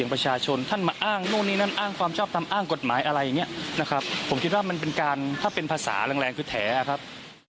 ผมคิดว่ามันเป็นการถ้าเป็นภาษาแรงคือแถวครับ